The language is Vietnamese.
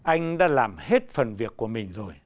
anh đã làm hết phần việc của mình rồi